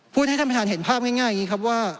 ให้ท่านประธานเห็นภาพง่ายอย่างนี้ครับว่า